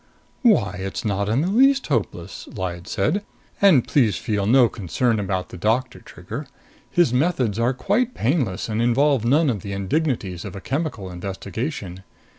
"Why, it's not in the least hopeless," Lyad said. "And please feel no concern about the Doctor, Trigger. His methods are quite painless and involve none of the indignities of a chemical investigation.